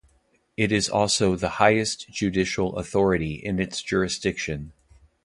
It is also the highest judicial authority in its jurisdiction.